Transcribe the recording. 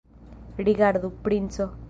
Rigardu, princo!